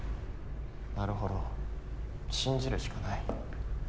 なるほど信じるしかない。